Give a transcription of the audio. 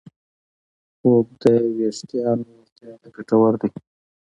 خوب د وېښتیانو روغتیا ته ګټور دی.